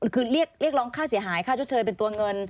คือเรียกร้องค่าเสียหายค่าชดเชยเป็นตัวเงิน